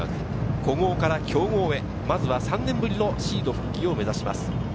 古豪から強豪へ、まずは３年ぶりのシード復帰を目指します。